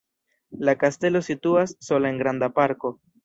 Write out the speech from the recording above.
La kastelo situas sola en granda parko.